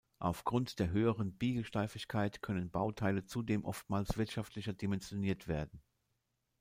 Aufgrund der höheren Biegesteifigkeit können Bauteile zudem oftmals wirtschaftlicher dimensioniert werden.